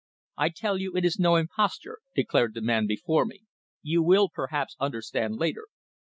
"I tell you it is no imposture!" declared the man before me. "You will, perhaps, understand later.